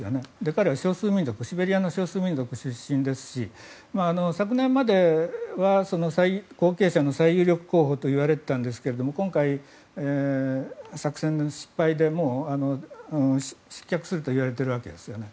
彼はシベリアの少数民族出身ですし昨年までは後継者の最有力候補といわれたんですが今回、作戦の失敗で失脚するといわれているわけですね。